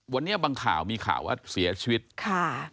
วันนี้บางข่าวมีข่าวว่าเสียชีวิตค่ะ